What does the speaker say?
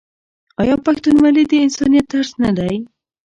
آیا پښتونولي د انسانیت درس نه دی؟